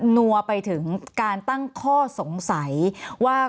นัวไปถึงการตั้งข้อสงสัยว่า